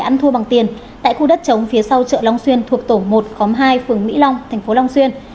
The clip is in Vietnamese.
án thua bằng tiền tại khu đất chống phía sau chợ long xuyên thuộc tổ một khóm hai phường mỹ long tp long xuyên